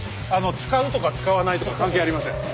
使うとか使わないとか関係ありません。